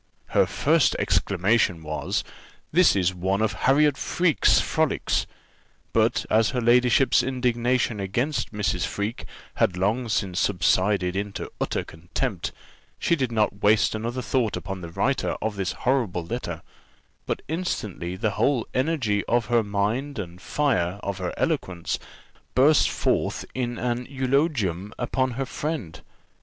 Her first exclamation was, "This is one of Harriot Freke's frolics;" but as her ladyship's indignation against Mrs. Freke had long since subsided into utter contempt, she did not waste another thought upon the writer of this horrible letter; but instantly the whole energy of her mind and fire of her eloquence burst forth in an eulogium upon her friend.